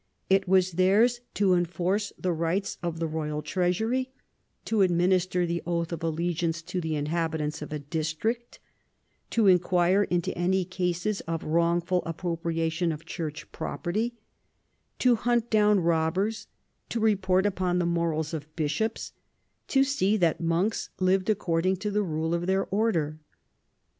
It was theirs to enforce the rights of the royal treasury, to administer the oath of allegiance to the inhabitants of a district, to inquire into any cases of wrongful appropriation of church property, to hunt down robbers, to report upon the morals of bishops, to see that monks lived according to the rule of their order.